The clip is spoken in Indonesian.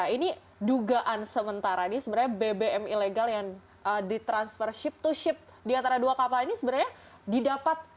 ini dugaan sementara ini sebenarnya bbm ilegal yang ditransfer ship to ship di antara dua kapal ini sebenarnya didapat